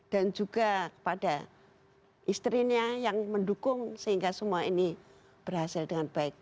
dan juga kepada istrinya yang mendukung sehingga semua ini berhasil dengan baik